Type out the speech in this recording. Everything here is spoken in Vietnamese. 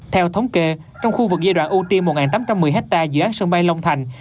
theo thống kê trong khu vực giai đoạn ưu tiên một tám trăm một mươi hectare dự án sân bay long thành